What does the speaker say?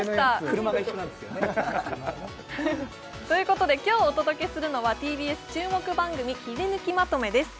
車がねということで今日お届けするのはＴＢＳ注目番組キリヌキまとめです